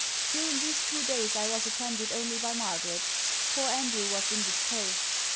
During these two days, I was attended only by Margaret. Poor Andrew was indisposed.